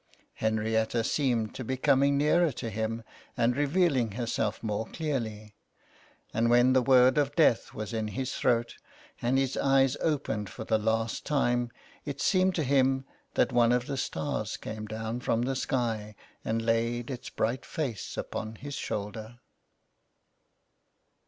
Henrietta seemed to be coming nearer to him and revealing herself more clearly ; and when the word of death was in his throat, and his eyes opened for the last time, it seemed to him that one of the stars came down from the sky and laid its bright face upon his shoulder.